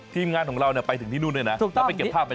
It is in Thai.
ทีมงานของเราเนี่ยไปถึงที่นู่นด้วยนะแล้วไปเก็บภาพบรรยากาศด้วย